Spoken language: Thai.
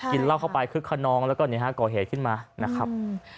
กินเล่าเข้าไปคึกคนนองแล้วก็เกาะเหตุขึ้นมานะครับ